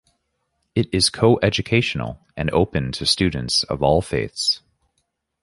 It is coeducational and open to students of all faiths.